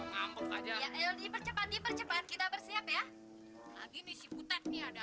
dan akhirnya kita mendapatkan sebuah